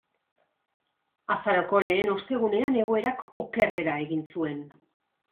Azaroko lehenengo ostegunean egoerak okerrera egin zuen.